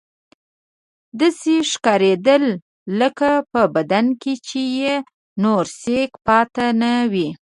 داسې ښکارېدل لکه په بدن کې چې یې نور سېک پاتې نه وي.